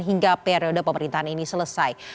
hingga periode pemerintahan ini selesai